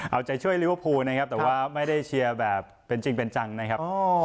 เอาใจช่วยลิเวอร์พูลนะครับแต่ว่าไม่ได้เชียร์แบบเป็นจริงเป็นจังนะครับ